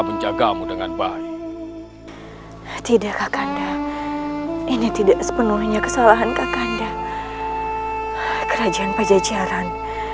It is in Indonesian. menjagamu dengan baik tidak akanda ini tidak sepenuhnya kesalahan kakanda kerajaan pajajaran